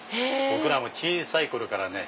僕らも小さい頃からね